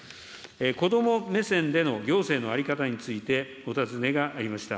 子ども目線での行政の在り方についてお尋ねがありました。